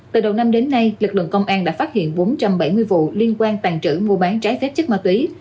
từ đầu năm đến nay lực lượng công an đã phát hiện bốn trăm bảy mươi vụ liên quan tàn trữ mua bán trái phép chất ma túy